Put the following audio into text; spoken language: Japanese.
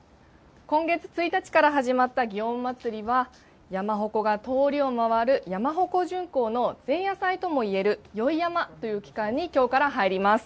今月１日から始まった祇園祭は、山鉾が通りを回る山鉾巡行の前夜祭ともいえる宵山という期間にきょうから入ります。